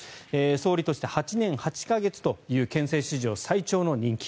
総理として８年８か月という憲政史上最長の任期。